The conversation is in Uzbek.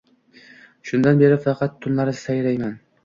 Shundan beri faqat tunlari sayrayman